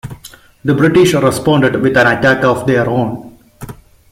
The British responded with an attack of their own.